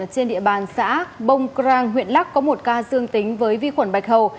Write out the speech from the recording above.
trên địa bàn xã bông crang huyện lắc có một ca dương tính với vi khuẩn bạch hầu